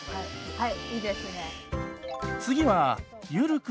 はい。